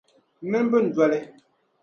M mini bɛn doli.